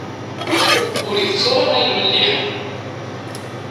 Ur itett ara ayen melliḥen.